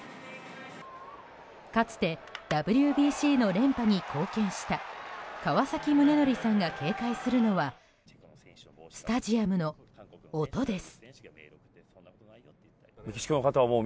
かつてＷＢＣの連覇に貢献した川崎宗則さんが警戒するのはスタジアムの音です。